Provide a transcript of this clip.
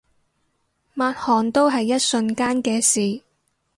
抹汗都係一瞬間嘅事